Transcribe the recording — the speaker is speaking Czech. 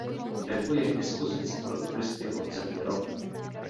Depo je k dispozici pro turisty po celý rok.